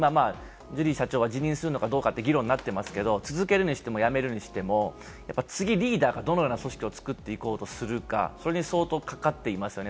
ジュリー社長が辞任するのかどうか議論になっていますけれども、続けるにしても、辞めるにしても、次、リーダーがどういう組織を作っていこうとするか、それに相当かかってますよね。